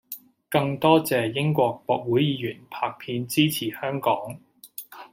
更多謝英國國會議員拍片支持香港